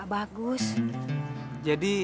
ibu dari mana